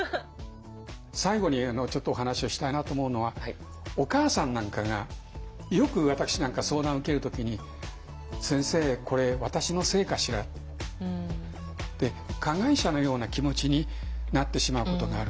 最後にちょっとお話をしたいなと思うのはお母さんなんかがよく私なんか相談受ける時に「先生これ私のせいかしら」って加害者のような気持ちになってしまうことがある。